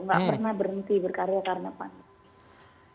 nggak pernah berhenti berkarya karena pandemi